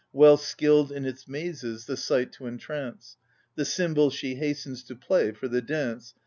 Well skilled in its mazes the sight to entrance. The cymbal she hastens to play for the dance.